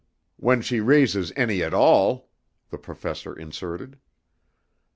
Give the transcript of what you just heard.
"When she raises any at all," the Professor inserted.